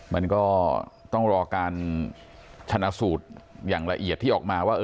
มันก็ต้องรอการชนะสูตรอย่างละเอียดที่ออกมาว่า